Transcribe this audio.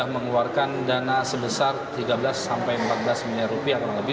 mengeluarkan dana sebesar rp tiga belas empat belas miliar atau lebih